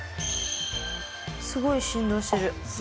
すごい振動してる。